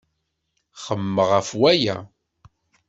Xemmemeɣ ɣef waya.